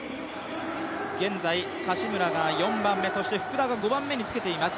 現在柏村が４番目、福田が５番目につけています。